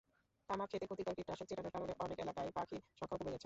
তামাকখেতে ক্ষতিকর কীটনাশক ছিটানোর কারণে অনেক এলাকায় পাখির সংখ্যাও কমে গেছে।